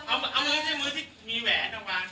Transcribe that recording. ครับไม่ได้เหล่าเล้อ